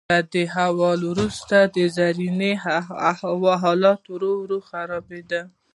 له دې احوال وروسته د زرینې حالات ورو ورو خرابیدل.